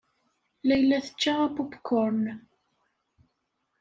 Layla tečča apupkuṛn.